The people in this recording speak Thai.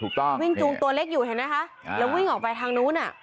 ถูกต้องวิ่งจูงตัวเล็กอยู่เห็นไหมคะแล้ววิ่งออกไปทางนู้นอ่ะ